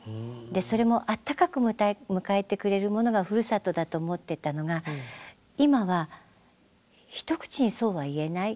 それもあったかく迎えてくれるものがふるさとだと思ってたのが今は一口にそうは言えない。